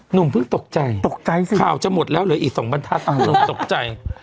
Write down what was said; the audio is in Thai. หนุ่มเพิ่งตกใจตกใจสิข่าวจะหมดแล้วเหลืออีกสองบรรทัศน์หนุ่มตกใจ